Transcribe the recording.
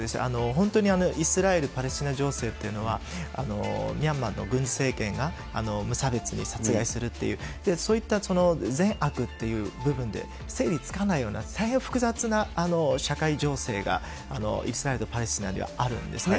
本当にイスラエル・パレスチナ情勢というのは、ミャンマーの軍事政権が無差別に殺害するっていう、そういった善悪という部分で整理つかないような大変複雑な社会情勢が、イスラエルとパレスチナにはあるんですね。